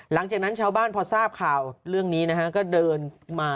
หลังจากนั้นชาวบ้านพอทราบข่าวเรื่องนี้นะฮะก็เดินมา